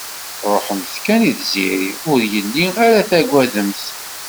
Ruḥemt kan i tziri, ur yelli ara tagademt.